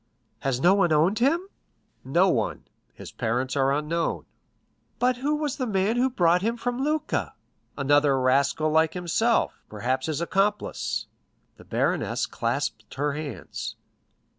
"Has no one owned him?" "No one; his parents are unknown." "But who was the man who brought him from Lucca?" "Another rascal like himself, perhaps his accomplice." The baroness clasped her hands.